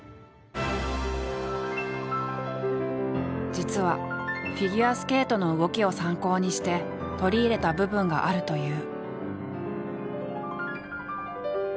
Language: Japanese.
実はフィギュアスケートの動きを参考にして取り入れた部分があるという。